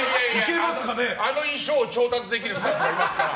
あの衣装を調達できるスタッフがいますから。